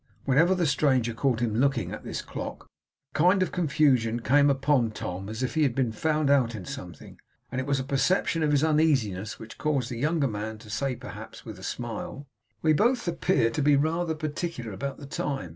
Whenever the stranger caught him looking at this clock, a kind of confusion came upon Tom as if he had been found out in something; and it was a perception of his uneasiness which caused the younger man to say, perhaps, with a smile: 'We both appear to be rather particular about the time.